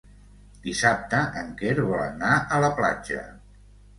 Dissabte en Quel vol anar a la platja.